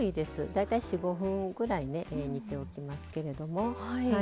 大体４５分ぐらい煮ておきますけれども。